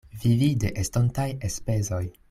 Vivi de estontaj enspezoj.